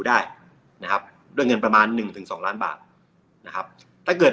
ได้นะครับด้วยเงินประมาณหนึ่งถึงสองล้านบาทนะครับถ้าเกิด